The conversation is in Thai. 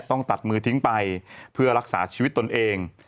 ต้องตัดมือทิ้งไปเพื่อรักษาชีวิตตนเอง